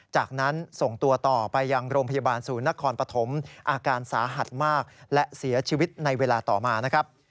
จากนั้นส่งตัวต่อไปยังโรงพยาบาลศูนย์นครปฐมอาการสาหัสมากและเสียชีวิตในเวลาต่อมานะครับ